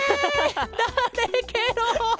だれケロ？